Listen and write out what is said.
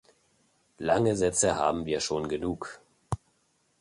Lange Sätze haben wir schon genug.